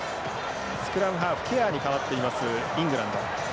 スクラムハーフケアーに代わっていますイングランド。